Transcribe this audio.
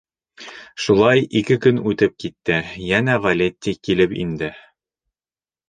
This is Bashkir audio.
Шулай ике көн үтеп китте, йәнә Валетти килеп инде.